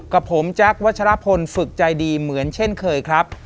กับผมแจ๊ควัชรพลฝึกใจดีเหมือนเช่นเคยครับ